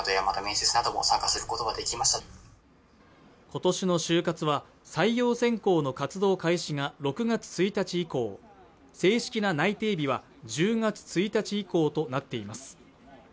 今年の就活は採用選考の活動開始が６月１日以降正式な内定日は１０月１日以降となっています